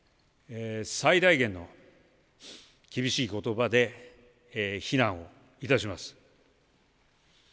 最大限の厳しいことばで非難をいたします。